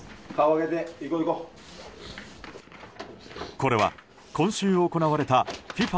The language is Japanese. これは、今週行われたＦＩＦＡ